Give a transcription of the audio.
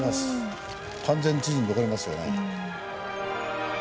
完全に地図に残りますよね。